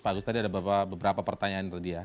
pak agus tadi ada beberapa pertanyaan tadi ya